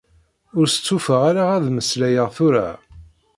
Ur stufaɣ ara ad mmeslayeɣ tura.